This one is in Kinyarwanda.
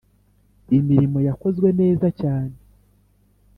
Imirimo yakozwe neza cyane